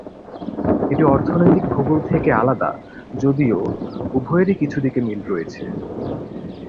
এটি অর্থনৈতিক ভূগোল থেকে আলাদা যদিও উভয়েরই কিছু দিকে মিল রয়েছে।